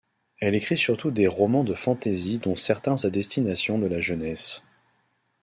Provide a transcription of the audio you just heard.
Elle écrit surtout des romans de fantasy dont certains à destination de la jeunesse.